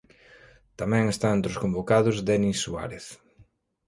Tamén está entre os convocados Denis Suárez.